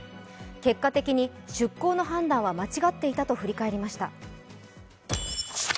結果的に出航の判断は間違っていたと振り返りました。